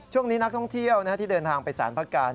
ช่วงนี้นักท่องเที่ยวที่เดินทางไปสารพระการ